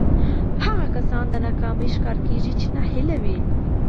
هغه کسان د ناکامۍ ښکار کېږي چې ناهيلي وي.